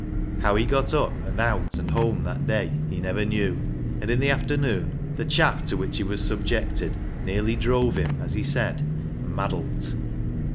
How he got up, and out, and home that day he never knew. And in the afternoon the chaff to which he was subjected nearly drove him, as he said, " maddlet."